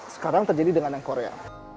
sekarang terjadi dengan yang korea